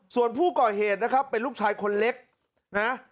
ส่วนผู้ก่อเหตุนะครับเป็นลูกชายคนเล็กนะ